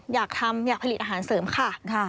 อยากทำอยากผลิตอาหารเสริมค่ะ